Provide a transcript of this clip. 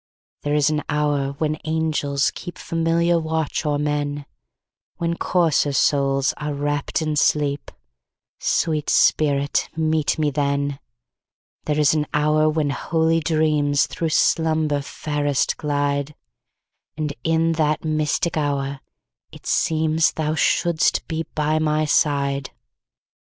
There is an hour when angels keepFamiliar watch o'er men, When coarser souls are wrapp'd in sleep—Sweet spirit, meet me then! There is an hour when holy dreamsThrough slumber fairest glide; And in that mystic hour it seemsThou shouldst be by my side.